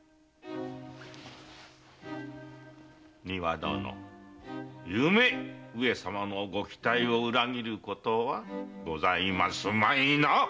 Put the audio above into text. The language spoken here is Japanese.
丹羽殿ゆめ上様のご期待を裏切ることはございますまいな